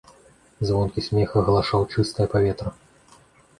Звонкі смех агалашаў чыстае паветра.